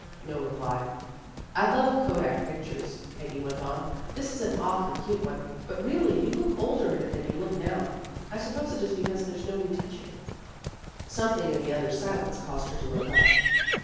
No reply. " I love kodak pictures," Peggy went on. " This is an awfully cute one, but really you look older in it than you look now. I suppose it is because there's no retouching." Something in the other's silence caused her to look up.